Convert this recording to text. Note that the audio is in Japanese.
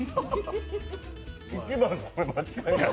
一番です、これ間違いなく。